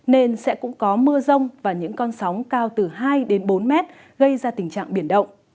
nên sẽ cũng có mưa rông và những con sóng cao từ hai đến bốn mét gây ra tình trạng biển động